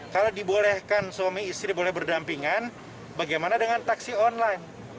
kalau dibolehkan suami istri boleh berdampingan bagaimana dengan taksi online